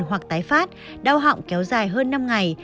hoặc tái phát đau họng kéo dài hơn năm ngày